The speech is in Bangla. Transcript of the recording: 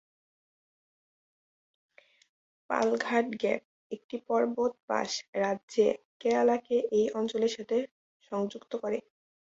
পালঘাট গ্যাপ, একটি পর্বত পাস পাশের রাজ্য কেরালা কে এই অঞ্চলের সাথে সংযুক্ত করে।